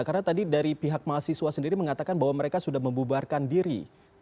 karena tadi dari pihak mahasiswa sendiri mengatakan bahwa mereka sudah membubarkan diri